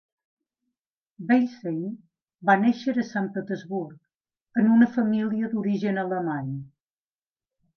Beilstein va néixer a Sant Petersburg, en una família d'origen alemany.